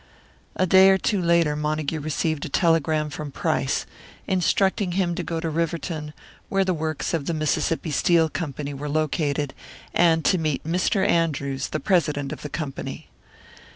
A day or two later Montague received a telegram from Price, instructing him to go to Riverton, where the works of the Mississippi Steel Company were located, and to meet Mr. Andrews, the president of the Company.